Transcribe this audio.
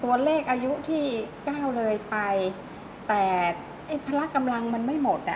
ตัวเลขอายุที่เก้าเลยไปแต่พลักกำลังมันไม่หมด